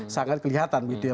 sangat kelihatan gitu ya